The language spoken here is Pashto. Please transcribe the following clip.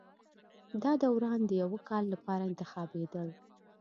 دا داوران د یوه کال لپاره انتخابېدل